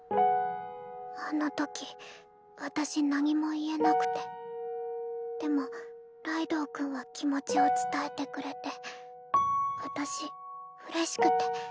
あのとき私何も言えなくてでもライドウ君は気持ちを伝えてくれて私うれしくて。